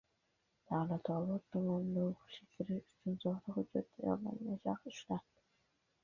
Davlatobod tumanida o‘qishga kirish uchun soxta hujjat tayyorlagan shaxs ushlandi